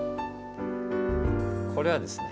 これはですね。